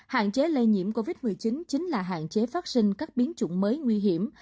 hạn chế lây nhiễm covid một mươi chín chính là hạn chế phát sinh các biến chủng mới nguy hiểm